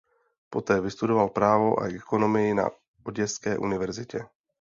Poté vystudoval právo a ekonomii na Oděské univerzitě.